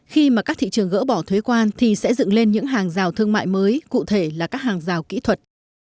khi mà các thị trường gỡ bỏ thuế quan thì sẽ dựng lên những hàng rào thương mại mới cụ thể là các hàng rào kỹ thuật